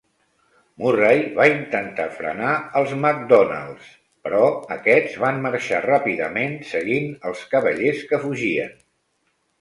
Murray va intentar frenar els MacDonalds, però aquests van marxar ràpidament seguint els cavallers que fugien.